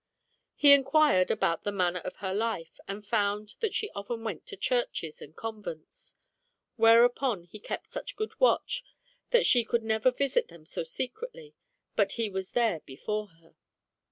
He inquired about the manner of her life, and found that she often went to churches and con vents ; whereupon he kept such good watch that she could never visit them so secretly but he was there before her.